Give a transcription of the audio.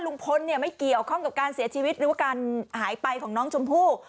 ลุงพลเนี่ยไม่เกี่ยวข้องกับการเสียชีวิตหรือว่าการหายไปของน้องชมพู่